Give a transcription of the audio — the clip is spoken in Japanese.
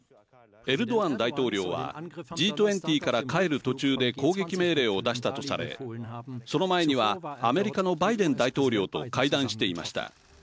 エルドアン大統領はＧ２０から帰る途中で攻撃命令を出したとされその前には、アメリカのバイデン大統領と会談していました。